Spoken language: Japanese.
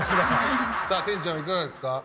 さあ天ちゃんはいかがですか？